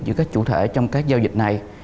giữa các chủ thể trong các giao dịch này